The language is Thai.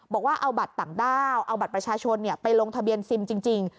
บอกว่าเอาบัตรต่างด้าวเอาบัตรประชาชนไปลงทะเบียนซิมจริง